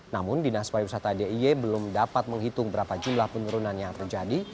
namun dinas pariwisata d i e belum dapat menghitung berapa jumlah penurunan yang terjadi